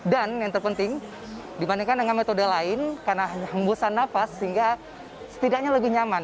yang terpenting dibandingkan dengan metode lain karena hembusan nafas sehingga setidaknya lebih nyaman